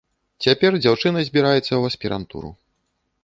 Цяпер дзяўчына збіраецца ў аспірантуру.